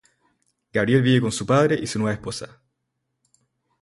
Gabriel vive con su padre y su nueva esposa.